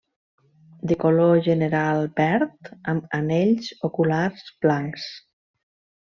De color general verd amb anells oculars blancs.